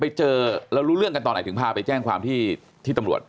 ไปเจอเรารู้เรื่องกันตอนไหนถึงพาไปแจ้งความที่ที่ตำรวจ